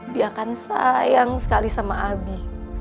dia akan sayang sekali sama abi